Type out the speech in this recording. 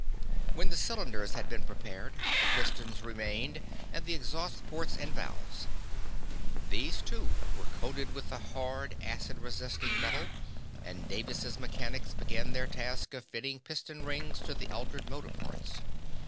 When the cylinders had been prepared, the pistons remained, and the exhaust ports and valves. These, too, were coated with the hard, acid resisting metal, and Davis' mechanics began their task of fitting piston rings to the altered motor parts.